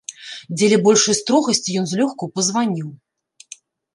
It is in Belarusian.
Дзеля большай строгасці ён злёгку пазваніў.